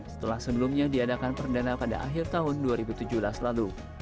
setelah sebelumnya diadakan perdana pada akhir tahun dua ribu tujuh belas lalu